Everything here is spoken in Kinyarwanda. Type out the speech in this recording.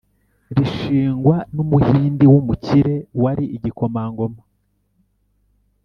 rishingwa n’umuhindi w’umukire wari igikomangoma